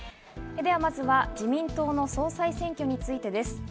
では、まずは自民党の総裁選挙についてです。